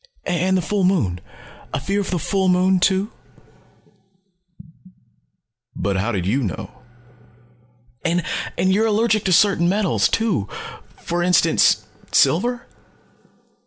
"And the full moon. A fear of the full moon, too?" "But how did you know?" "And you're allergic to certain metals, too. For instance silver?"